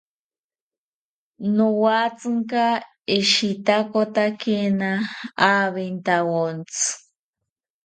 Nowatzinka eshitakotakina awintawontzi